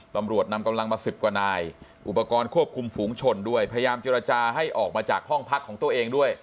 ตำรวจนำกำลังมาสิบกว่านายอุปกรณ์ควบคุมฝูงชนด้วยพยายามเจรจาให้ออกมาจากห้องพักของตัวเองด้วย